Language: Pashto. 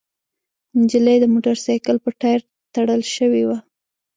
نجلۍ د موټرسايکل په ټاير تړل شوې وه.